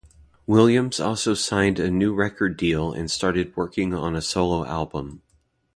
Williams also signed a new record deal and started working on a solo album.